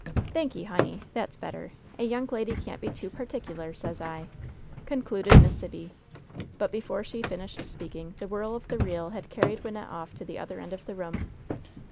"Thank y', honey, that's better ! A young lady can't be too particular, sez II" concluded Miss Sibby. But before she finished speaking the whirl of the reel had carried Wynnette off to the other end of the room.